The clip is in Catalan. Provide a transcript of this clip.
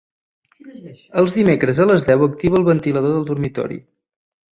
Els dimecres a les deu activa el ventilador del dormitori.